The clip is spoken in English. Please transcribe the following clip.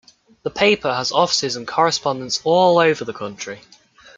The paper has offices and correspondents all over the country.